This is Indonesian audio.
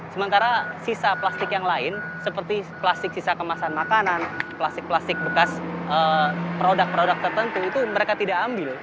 sementara sisa plastik yang lain seperti plastik sisa kemasan makanan plastik plastik bekas produk produk tertentu itu mereka tidak ambil